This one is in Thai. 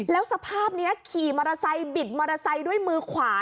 แล้วสภาพนี้ขี่มอเตอร์ไซค์บิดมอเตอร์ไซค์ด้วยมือขวา